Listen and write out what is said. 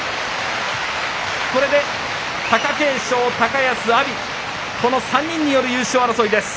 これで、貴景勝、高安、阿炎、この３人による優勝争いです。